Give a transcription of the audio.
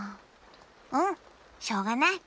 うんしょうがない。